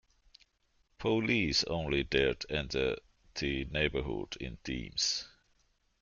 Police only dared enter the neighborhood in teams.